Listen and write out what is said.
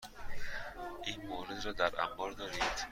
این مورد را در انبار دارید؟